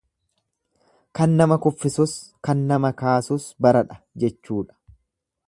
Kan nama kuffisus kan nama kaasus baradha jechuudha.